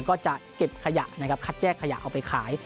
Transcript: ก็จะเก็บขยะนะครับคัดแยกขยะเอาไปขาย